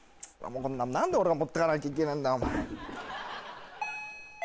何で俺が持って行かなきゃいけねえんだよお前。